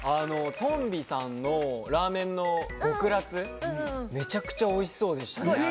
とんびさんのラーメンの極辣、めちゃくちゃおいしそうでしたね。